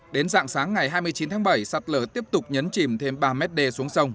đến dạng sáng ngày hai mươi chín tháng bảy sạt lở tiếp tục nhấn chìm thêm ba mét đê xuống sông